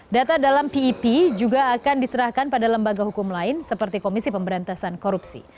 data dalam pep juga akan diserahkan pada lembaga hukum lain seperti komisi pemberantasan korupsi